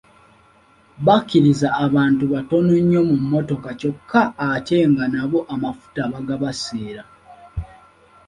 Bakkirizza abantu batono nnyo mu mmotoka kyokka ate nga nabo amafuta bagabaseera.